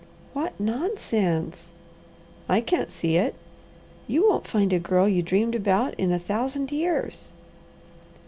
"What nonsense!" "I can't see it." "You won't find a girl you dreamed about in a thousand years."